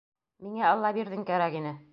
Миңә Аллабирҙин кәрәк ине.